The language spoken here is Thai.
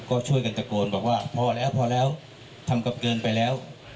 ก็ช่วยกันตะโกนบอกว่าพอแล้วพอแล้วทำกับเกินไปแล้ว